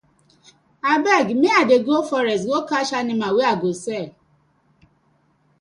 Abeg mi I dey go forest go catch animal wey I go sell.